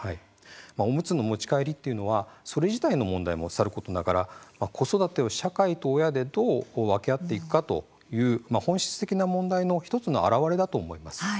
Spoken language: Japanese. おむつの持ち帰りというのはそれ自体の問題もさることながら子育てを社会と親でどう分け合っていくかという本質的な問題の１つの現れだと思います。